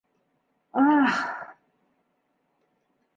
- Аһ!..